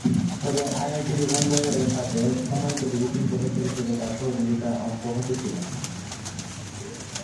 তবে আইআইটি মুম্বাইয়ের সাথে সম্মানিত ভিজিটিং প্রফেসর হিসাবে তাঁর সহযোগিতা অব্যাহত ছিল।